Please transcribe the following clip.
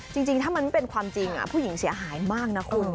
จริงถ้ามันไม่เป็นความจริงผู้หญิงเสียหายมากนะคุณ